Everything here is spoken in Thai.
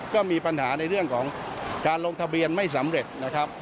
ก็มีปัญหาในเรื่องของการลงทะเบียนไม่สำเร็จนะครับ